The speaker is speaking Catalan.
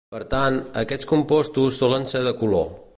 Per tant, aquests compostos solen ser de color.